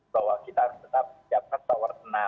bahwa kita harus tetap siapkan tower enam